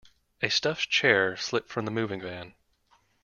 A stuffed chair slipped from the moving van.